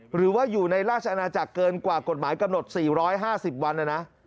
หรือว่าอยู่ในราชอาณาจักรเกินกว่ากฎหมายกำหนด๔๕๐วันนะนะ